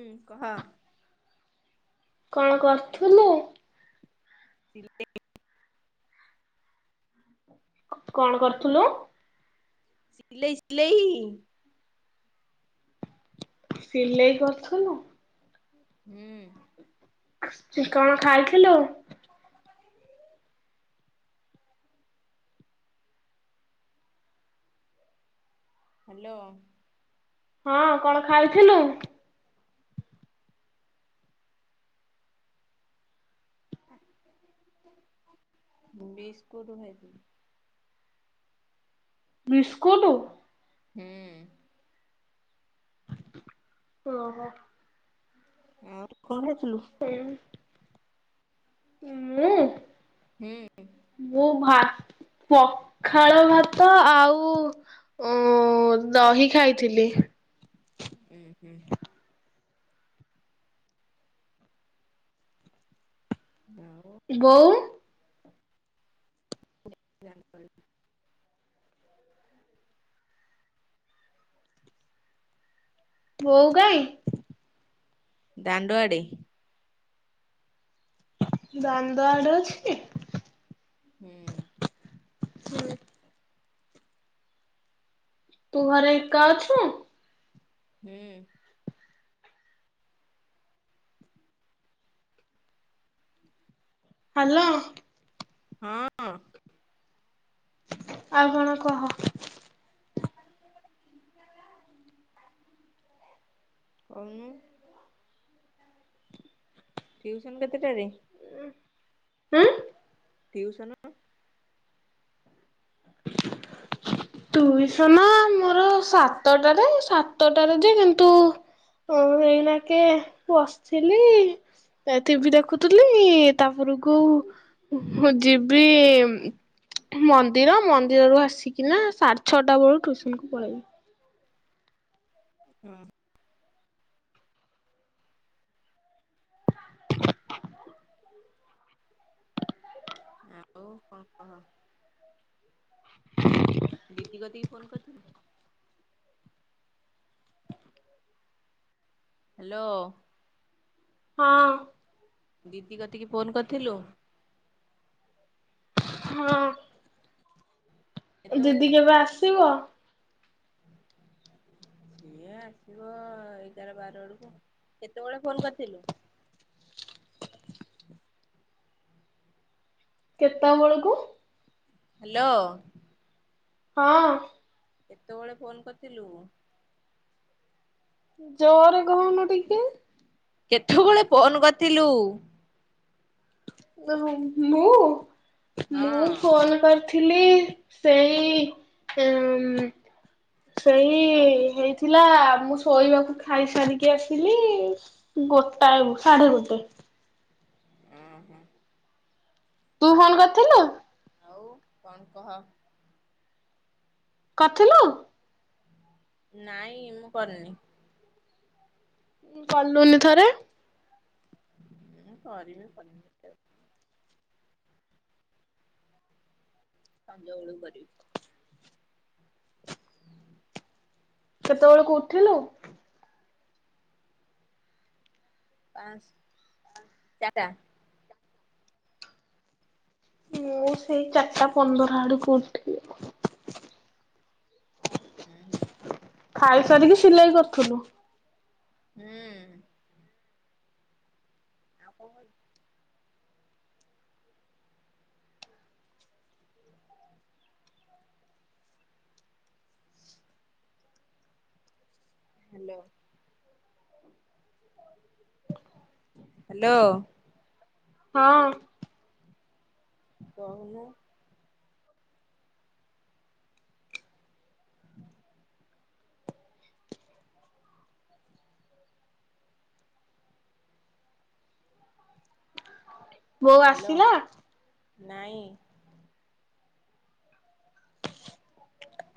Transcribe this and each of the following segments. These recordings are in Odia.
ହୁଁ ଅ। କଣ କରୁଥିଲେୁ? [unintelligible] କଣ କରୁଥିଲୁ? ସିଲେଇ ସିଲେଇ। ସିଲେଇ କରୁଥିଲୁ। ହୁଁ। ଶ୍ରୀ କଣ ଖାଇଥିଲୁ? ହାଲୋ ହଁ କଣ ଖାଇଥିଲୁ? ବିସ୍କୁଟ ଖାଇଥିଲି ବିସ୍କୁଟୁ ହୁଁ ଓହୋ ତୁ କଣ ଖାଇଥିଲୁ? ହୁଁ ମୁଁ ହୁଁ ମୁଁ ଭା ପଖାଳ ଭାତ ଆଉ ଓ ଦହି ଖାଇଥିଲି ଉଁ ହୁଁ ଦାଅ ବୋଉ ବୋଉ କାଇଁ? ଦାଣ୍ଡଆଡେ ଦାଣ୍ଡ ଆଡେ ଅଛି? ହୁଁ ହଏ ତୁ ଘରେ ଏକା ଅଛୁ? ହୁଁ ହାଲୋ ହଁ ଆଉ କଣ କହ [inaudible] କଉନୁ ଟ୍ୟୁଉସନ କେତେଟାରେ ଉଁ ଟ୍ୟୁସନ [inaudible] ଟୁଇସନ ମୋର ସାତଟାରେ ସାତଟାରେ ଯେ କିନ୍ତୁ ଓ ଏଇନାକେ ବସିଥିଲି ଏ ଟିଭି ଦେଖୁଥିଲି ତାପରକୁ ଯିବି ମନ୍ଦିର ମନ୍ଦିରରୁ ଆସିକିନା ସାଢେ ଛଅଟା ବେଳୁ ଟୁସନକୁୁ ପଳେଇବି। ହଁ ଆଉ କଣ କହ [inaudible] ଦିଦି କତିକି ଫୋନ କରିଥିଲୁ? ହାଲୋ ହଁ ଦିଦି କତିକି ଫୋନ କରିଥିଲୁ? ହଁ କେତେବେଳେ? ଦିଦି କେବେ ଆସିବ? ସିଏ ଆସିବ ଏଗାର ବାର ବେଳକୁ କେତେବେଳେ ଫୋନ କରିଥିଲୁ? [inaudible] କେତେ ବେଳକୁ ହାଲୋ ହଁ କେତେବେଳେ ଫୋନ କରିଥିଲୁ? ଜୋରେ କହୁନୁ ଟିକେ। କେଥବେଳେ ଫୋନ କରିଥିଲୁ? ମୁଁ ହଁ ମୁଁ ଫୋନ କରି ଥିଲି ସେଇ ସେଇ ହେଇଥିଲା ମୁଁ ଶୋଇବାକୁ ଖାଇସାରିକି ଆସିଲି ଗୋଟାଏ ସାଢେ ଗୋଟେ। ଓ ହୋ। ତୁ ଫୋନ କରିଥିଲୁ। ଆଉ କଣ କହ? କରଥିଲୁ? ନାଇଁ ମୁଁ କରିନି। କଲୁନି ଥରେ। [inaudible] ସଞ୍ଜ ଓଳୁ କରିବି। କେତେବେଳକୁ ଉଠିଲୁ? ପାଞ୍ଚ ଚାର୍ ଟା। ମୁଁ ସେଇ ଚାରିଟା ପନ୍ଦର ଆଡୁକୁ ଉଠିଲି। ହୁଁ ହୁଁ। ଖାଇ ସାରିକି ସିଲେଇ କରୁଥିଲୁ। ହୁଁ। [unintelligible] ହ୍ୟାଲୋ। ହ୍ୟାଲୋ। ହଁ। କହୁନୁ। ବୋଉ ହ୍ୟାଲୋ ଆସିଲା? ନାଇଁ।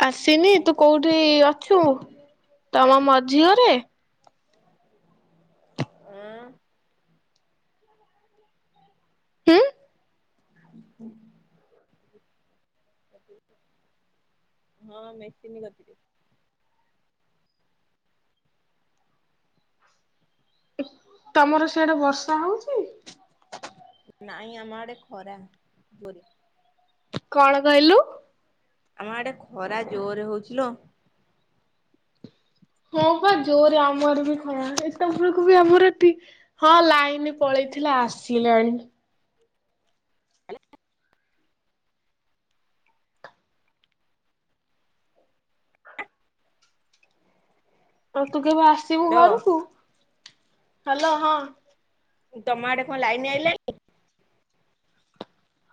ଆସିନି ତୁ କୋଉଠି ଅଛୁ ତମ ମଝି ଘରେ? ଉଁ ହୁଁ? ହଁ ମେସିନ କତିରେ। ତମର ସିଆଡେ ବର୍ଷା ହଉଚି? ନାଇଁ ଆମ ଆଡେ ଖରା। କଣ କହିଲୁ? ଆମ ଆଡେ ଖରା ଜୋରେ ହଉଚି ଲୋ। ହଁ ବା ଜୋରେ ଆମ ଆରେ ବି ଖରା। ଏତବେଳକୁ ବି ଆମର ଏଠି ହଁ ଲାଇନ ପଳେଇ ଥିଲା ଆସିଲାଣି। ଆଉ ତୁ କେବେ ଆସିବୁ ଲୋ ଘରକୁୁ? ହଲୋ ହଁ। ତମ ଆଡେ କଣ ଲାଇନ ଆଇିଲାଣି?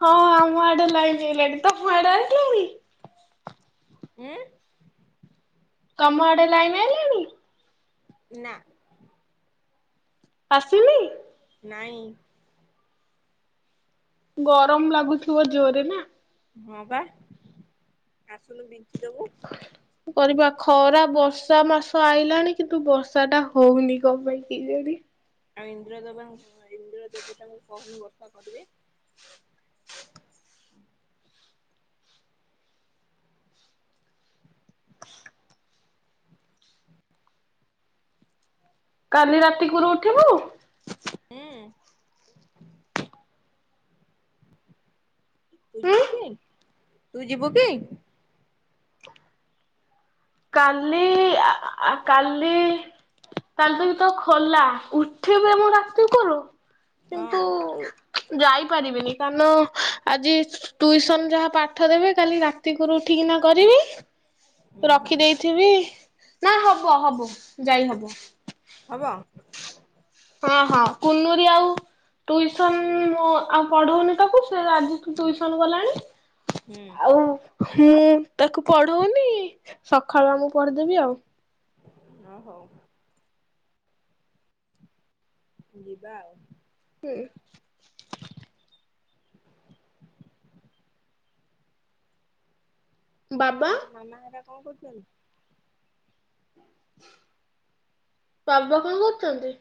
ହଁ ଆମ ଆଡେ ଲାଇନି ଆ। ତମ ଆଡେ [unintelligible] ଉଁ? ତମ ଆଡେ ଲାଇିନି ଆଇଲାଣି? ନା। ଆସିନି? ନାଇ। ଗରମ ଲାଗୁଥିବ ଜୋରେ ନା? ହଁ ବା ଆସିନୁ ବିଞ୍ଚିଦବୁ। କରିବା ଖରା ବର୍ଷା ମାସ ଆଇଲାଣି କିନ୍ତୁ ବର୍ଷା ଟା ହଉନି କଣ ପାଇଁ କେଜାଣି? ଆଉ ଇନ୍ଦ୍ରଦେବ [inaudible] କୋହୁନୁ ବର୍ଷା କରିବେ। କାଲି ରାତି କୁରୁ ଉଠିବୁ। [inaudible] ତୁ ଉଁ ଯିବୁ କି ତୁ ଯିବୁ କି? କାଲି ଆ ଆ କାଲି। କାଲିବି ତ ଖୋଲା ଉଠିବି ମୁଁ ରାତି କରୁ ହଁ କିନ୍ତୁ ଯାଇପାରିବିନି! କାରଣ ଆଜି ଟୁଇସନ ଯାହା ପାଠ ଦେବେ କାଲି ରାତିକରୁ ଉଠି କି ନା କରିବି। ହୁଁ ହୁଁ ରଖି ଦେଇଥିବି ନା ହବ ହବ ଯାଇହବ। ହବ। ହଁ ହଁ କୁନୁରି ଆଉ ଟିଉସନ ମୁଁ ଆଉ ପଢଉନି ତାକୁ। ସେ ଆଜିଠୁ ଟ୍ୟସନ ଗଲାଣି ହୁଁ ଆଉ। ମୁଁ ତାକୁ ପଢଉନି ସକାଳ ମୁଁ ପଢିଦେବି ଆଉ। ଓ ହଉ। ଯିବା ଆଉ। ହୁଁ। ବାବା ଆଉ ତୋ ମାମା ହେରା କଣ କରୁଛନ୍ତି? ବାବା କଣ କରୁଚନ୍ତି?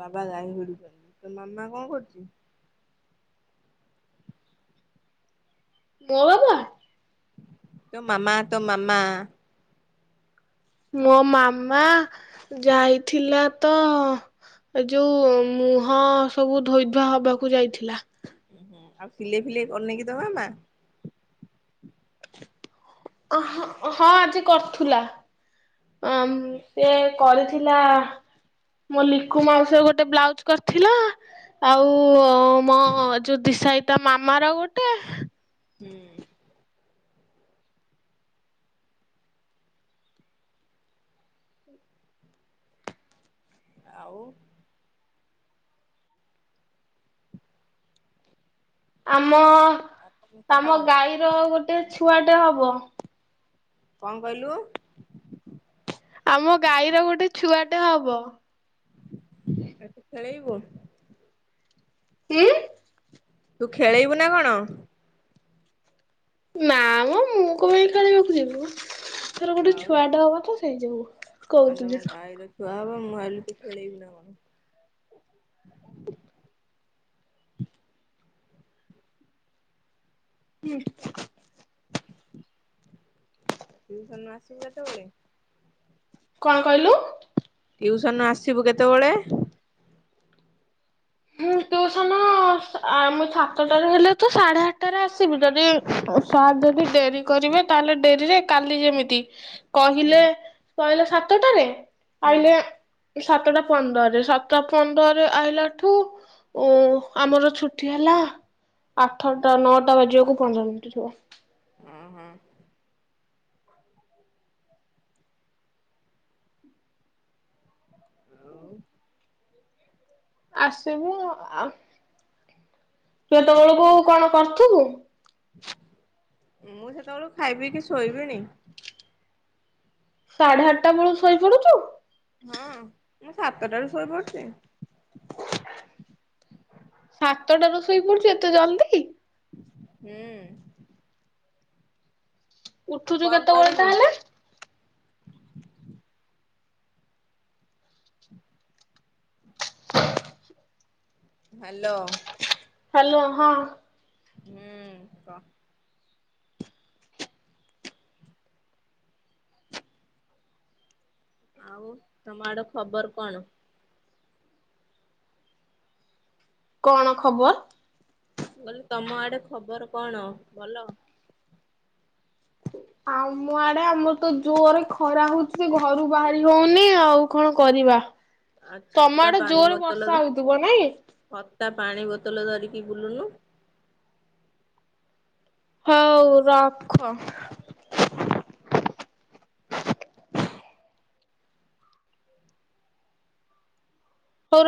ବାବା ଗାଈ ଭିଡୁଚନ୍ତି, ତୋ ମାମା କଣ କରୁଚି? ମୋ ବାବା। ତୋ ମାମା ତୋ ମାମା? ମୋ ମାମା ଯାଇଥିଲା ତ ଏ ଯୋଉ ମୁହଁ ସବୁ ଧୋଇ ଧୁଆ ହବାକୁ ଯାଇଥିଲା। ଉଁ ହୁଁ। ଆଉ ସିଲେଇ ଫିଲେଇ କରୁନିକି ତୋ ମାମା? ଅହଁ ହଁ ଆଜି କରୁଥିଲା। ଅଁ ସେ କରିଥିଲା। ମୋ ଲିକୁ ମାଉସୀର ଗୋଟେ ବ୍ଲାଉଜ କରିଥିଲା। ଆଉ ମୋ ଯୋ ସାଇ ତା ମାମାର ଗୋଟେ। ହୁଁ। ଆଉ? ଆମ ଆଉ କଣ କହ ଆମ ଗାଈର ଗୋଟେ ଛୁଆଟେ ହବ। କଣ କହିଲୁ। ଆମ ଗାଈର ଗୋଟେ ଛୁଆଟେ ହବ। ତାକୁ ଖେଲେଇବୂ? କି। ତୁ ଖେଳେଇବୁ ନା କଣ? ନା ମ ମୁଁ କ ପାଇଁ ଖେଳେଇବାକୁ ଯିବି। ତାର ଗୋଟେ ଛୁଆ ଟେ ହବ ତ। ହେଇଯିବୁ। କଣ ତମ ଗାଈର ଛୁଆ ହବ ମୁଁ ଭାବିଲି ତୁ ଖେଲେଇବୁନା କଣ। ଇଏ ଟ୍ୟଉସନ ରୁ ଆସିବୁ କେତେବେଳେ? କଣ କହିଲୁ? ଟିଉସନ ରୁ ଆସିବୁ କେତେବେଳେ? ହଁ ଟ୍ୟୁସନ ଆ ମୁଁ ସାତଟାରେ ହେଲେ ତ ସାଢେ ଆଠଟାରେ ଆସିବି। ଯଦି ଆ ଯଦି ଡେରି କରିବେ ତାହେଲେ ଡେରିରେ କାଲି ଯେମିତି ହୁଁ କହିଲେ କହିଲେ ସାତଟାରେ? ହୁଁ। ଆଇଲେ ସାତଟା ପନ୍ଦରରେ ସାତଟା ପନ୍ଦରରେ ଆଇିଲା ଠୁ ଓ ଆମର ଛୁଟି ହେଲା। ଆଠଟା ନଅଟା ବାଜିବାକୁ ପନ୍ଦର ମିନିଟ୍ ଥିବ। ହୁଁ ହୁଁ। ହାଲୋ। ଆସିବୁ। ଆଉ? କେତବେଳକୁ କଣ କରୁଥିବୁ? ମୁଁ ସେତେବେଳ ଖାଇପିଇ କି ଶୋଇବିଣି। ସାଢ଼େ ଆଠଟା ବେଳୁ ଶୋଇପଡୁଚୁ? ହଁ ମୁଁ ସାତଟାରୁ ଶୋଇ ପଡୁ଼ଚି। ସାତଟା ରୁ ଶୋଇ ପଡୁ଼ଚୁ ଏତେ ଜଲ୍ଦି? ହୁଁ। ଆଉ ଉଠୁଛୁ କଣ କେତେବେଳେ କରିବି ତାହେଲେ। [inaudible] ହ୍ୟାଲୋ। ହ୍ୟାଲୋ ହଁ। ହୁଁ କଅ। ଆଉ ତମର ଆଡ଼େ ଖବର କଣ? କଣ ଖବର। କହିଲି ତମ ଆଡ଼େ ଖବର କଣ ଭଲ। [inaudible] ଆମ ଆଡ଼େ ଆମର ତ ଜୋରେ ଖରା ହଉଛି ସେ ଘରୁ ବାହାରି ହଉନି ଆଉ କଣ କରିବା। ଆଉ ତମ ଛତା ଆଡ଼େ ପାଣି ଜୋରେ ବୋତଲ ବର୍ଷା ହେଇଥିବ ନାଇଁ। ଛତା ପାଣି ବୋତଲ ଧରିକି ବୁଲୁନୁ। ହଉ ରଖ। ହଉ